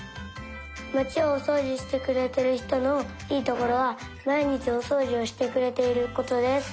まちをおそうじしてくれてるひとのいいところはまいにちおそうじをしてくれていることです。